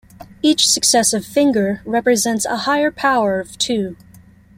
Each successive finger represents a higher power of two.